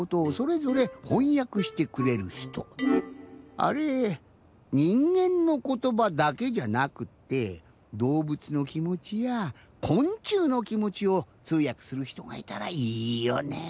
あれにんげんのことばだけじゃなくってどうぶつのきもちやこんちゅうのきもちをつうやくするひとがいたらいいよね。